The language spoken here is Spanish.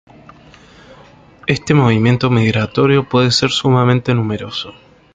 Este movimiento migratorio puede ser sumamente numeroso.